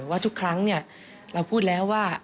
ว่าทุกครั้งเราพูดแล้วว่า